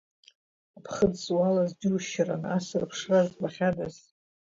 Аԥхыӡ уалаз џьушьарын, ас рыԥшра збахьадаз.